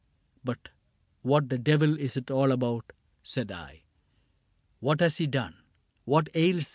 —" But what the devil is it all About ?" said I. " What has he done ? What ails him